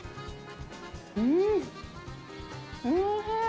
うんおいしい！